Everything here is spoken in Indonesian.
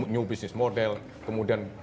new business model kemudian